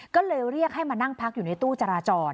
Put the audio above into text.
ก็เลยเรียกให้มานั่งพักอยู่ในตู้จราจร